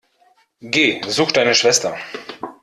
Geh, such deine Schwester!